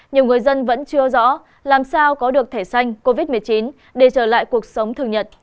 nhiều người dân vẫn chưa rõ làm sao có được thẻ xanh covid một mươi chín để trở lại cuộc sống thường nhật